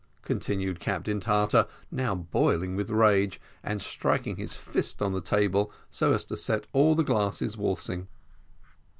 continued Captain Tartar, now boiling with rage, and striking his fist on the table so as to set all the glasses waltzing.